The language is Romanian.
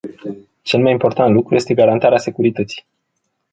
Cel mai important lucru este garantarea securității.